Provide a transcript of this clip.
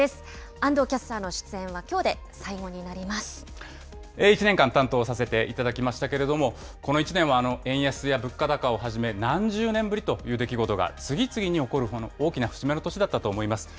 安藤キャスターの出演は、きょう１年間、担当させていただきましたけれども、この１年は、円安や物価高をはじめ、何十年ぶりという出来事が次々に起こる大きな節目の年だったと思います。